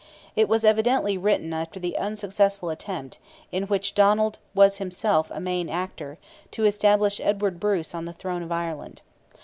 It was evidently written after the unsuccessful attempt, in which Donald was himself a main actor, to establish Edward Bruce on the throne of Ireland.